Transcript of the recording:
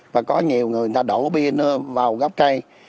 và có nhiều người ta đổ bia nữa vào góc cây